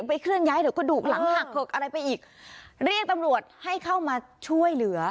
เคลื่อนย้ายเดี๋ยวกระดูกหลังหักเหิกอะไรไปอีกเรียกตำรวจให้เข้ามาช่วยเหลือ